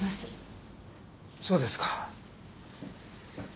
そうですか。